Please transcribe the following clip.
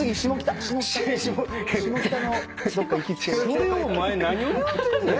それをお前何を言うてんねん。